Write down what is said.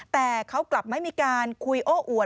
แต่เขากลับไม่มีการคุยโอ้อวด